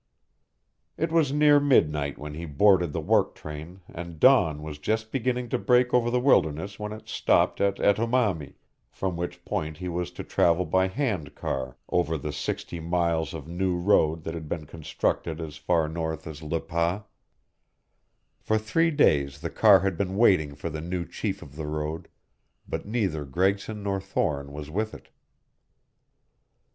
It was near midnight when he boarded the work train and dawn was just beginning to break over the wilderness when it stopped at Etomami, from which point he was to travel by hand car over the sixty miles of new road that had been constructed as far north as Le Pas. For three days the car had been waiting for the new chief of the road, but neither Gregson nor Thorne was with it.